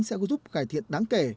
sẽ có giúp cải thiện đáng kể